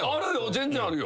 全然あるよ。